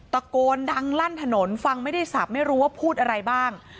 ตะโกนดังลั่นถนนฟังไม่ได้สับไม่รู้ว่าพูดอะไรบ้าง